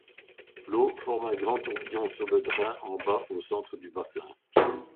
L'eau forme un grand tourbillon sur le drain en bas au centre du bassin.